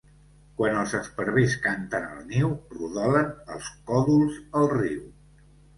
Quan els esparvers canten al niu rodolen els còdols al riu.